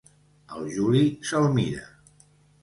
El Juli se'l mira.